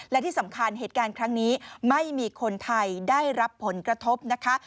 และที่สำคัญเหตุการณ์ครั้งนี้ไม่มีคนไทยได้รับผลกระทบนะคะ